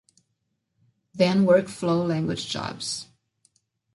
Then Work Flow Language jobs.